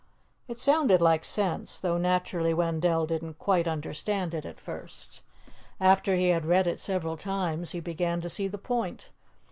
It sounded like sense, though naturally Wendell didn't quite understand it at first. After he had read it several times, he began to see the point.